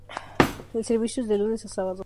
El servicio es de lunes a sábados.